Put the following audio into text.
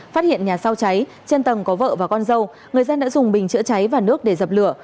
phát hiện nhà sau cháy trên tầng có vợ và con dâu người dân đã dùng bình chữa cháy và nước để dập lửa